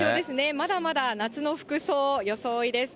まだまだ夏の服装、装いです。